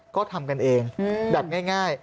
ก็ทำกันเองแบบง่าย